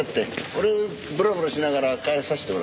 俺ブラブラしながら帰らさせてもらう。